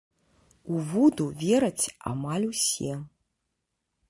У вуду вераць амаль усе.